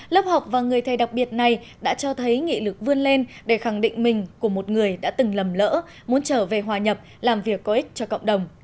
lớp học và người thầy đặc biệt này đã cho thấy nghị lực vươn lên để khẳng định mình của một người đã từng lầm lỡ muốn trở về hòa nhập làm việc có ích cho cộng đồng